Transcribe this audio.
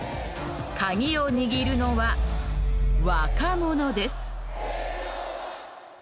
カギを握るのは若者です。